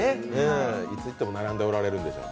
いつ行っても並んでおられるんでしょう。